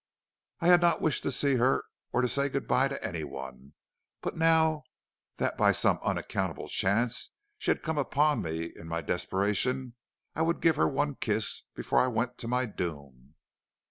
"I had not wished to see her or to say good by to any one. But now, that by some unaccountable chance she had come upon me, in my desperation I would give her one kiss before I went to my doom.